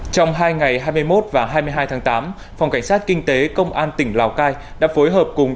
trong hai ngày hai mươi một và hai mươi hai tháng tám phòng cảnh sát kinh tế công an tỉnh lào cai đã phối hợp cùng